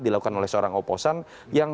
dilakukan oleh seorang oposan yang